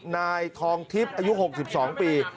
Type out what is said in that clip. นายทองทิพย์อายุ๖๒ปี